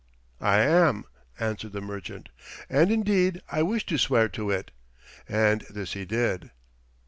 "I am," answered the merchant. "And indeed I wish to swear to it," and this he did.